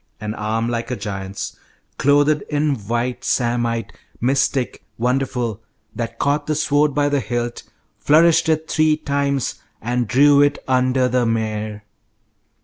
An arm like a giant's, "clothed in white samite, mystic, wonderful, that caught the sword by the hilt, flourished it three times, and drew it under the mere."